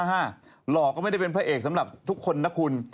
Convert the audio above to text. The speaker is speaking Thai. หล่อก็ไม่ได้เป็นพระเอกสำหรับทุกคนนะคุณ